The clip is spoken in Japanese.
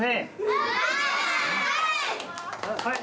はい。